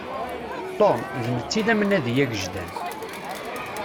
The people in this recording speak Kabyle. Tom, d netta i d amnadi agejdan.